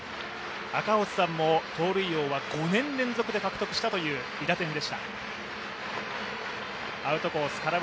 赤星さんも盗塁王は５年連続で獲得したという韋駄天でした。